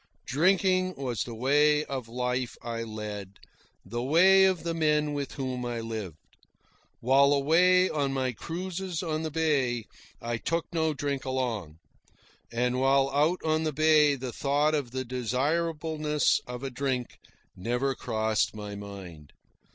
Drinking was the way of the life I led, the way of the men with whom I lived. While away on my cruises on the bay, I took no drink along; and while out on the bay the thought of the desirableness of a drink never crossed my mind.